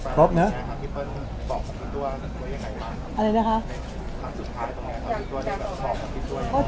ครบเนอะบอกพี่ตัวว่าอย่างไรอะไรนะคะ